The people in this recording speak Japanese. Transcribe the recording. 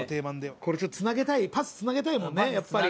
これちょっと繋げたいパス繋げたいもんねやっぱり。